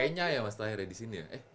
kayaknya ya mas terakhir ya disini ya